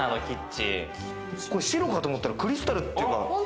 白かと思ったらクリスタルというか。